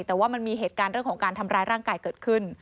แต่ว่ามันมีเหตุการณ์เรื่องของการทำร้ายร่างกายเกิดขึ้น